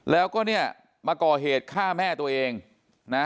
แล้วก็เนี่ยมาก่อเหตุฆ่าแม่ตัวเองนะ